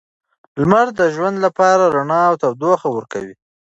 لمر د ژوند لپاره رڼا او تودوخه ورکوي.